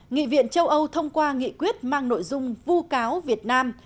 nghị viện châu âu thông qua nghị quyết mang nội dung vu cáo việt nam